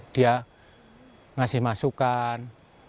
dia ngasih masukan